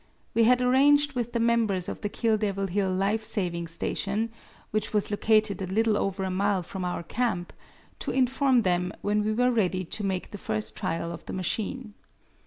We had arranged with the members of the Kill Devil Hill Life Saving Station, which was located a little over a mile from our camp, to inform them when we were ready to make the first trial of the machine.